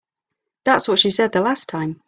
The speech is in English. That's what she said the last time.